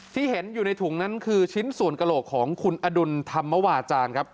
ที่เห็นอยู่ในถุงนั้นคือชิ้นส่วนกระโหลกของคุณอดุลธรรมวาจารย์ครับ